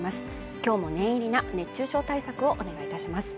今日も念入りな熱中症対策をお願いいたします